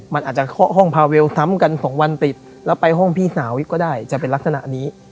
มันอาจจะเคาะห้องพาเวลซ้ำกันสองวันติดแล้วไปห้องพี่สาวอีกก็ได้จะเป็นลักษณะนี้